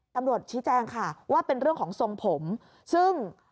ตำรวจชี้แจงค่ะว่าเป็นเรื่องของทรงผมซึ่ง